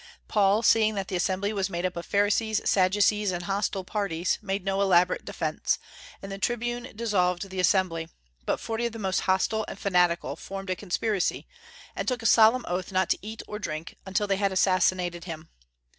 Paul seeing that the assembly was made up of Pharisees, Sadducees, and hostile parties, made no elaborate defence, and the tribune dissolved the assembly; but forty of the most hostile and fanatical formed a conspiracy, and took a solemn oath not to eat or drink until they had assassinated him.